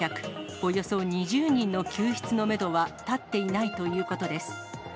およそ２０人の救出のメドは立っていないということです。